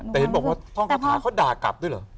แต่เห็นบอกว่าท่องคาถาเขาด่ากลับด้วยเหรอ